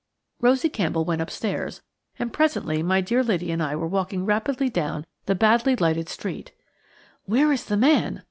Rosie Campbell went upstairs, and presently my dear lady and I were walking rapidly down the badly lighted street. "Where is the man?"